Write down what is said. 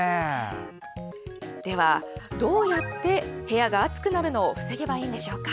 では、どうやって部屋が暑くなるのを防げばいいんでしょうか。